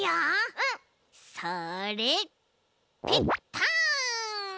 うん！それペッタン！